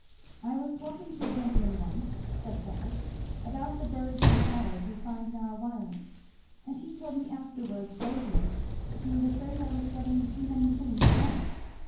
"I was talking to a gentleman once," said Fleda, "about the birds and flowers we find in our wilds; and he told me afterwards gravely that he was afraid I was studying too many things at once!